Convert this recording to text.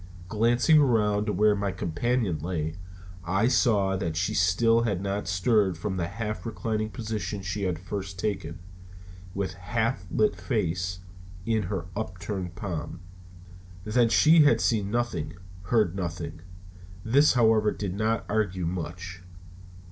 Glancing around to where my companion lay, I saw that she still had not stirred from the half reclining position she had first taken, with half lifted face in her upturned palm. Then she had seen nothing, heard nothing. This, however, did not argue much.